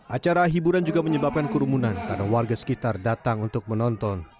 acara hiburan juga menyebabkan kerumunan karena warga sekitar datang untuk menonton